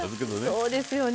そうですよね